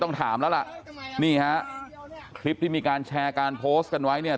ต้องถามแล้วล่ะนี่ฮะคลิปที่มีการแชร์การโพสต์กันไว้เนี่ย